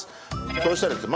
そうしたらですね